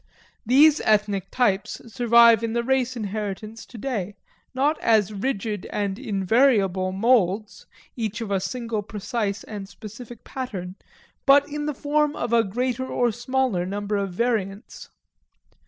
These ethnic types survive in the race inheritance today, not as rigid and invariable moulds, each of a single precise and specific pattern, but in the form of a greater or smaller number of variants.